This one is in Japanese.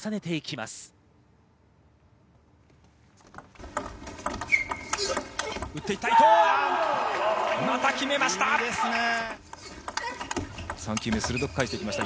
また決めました！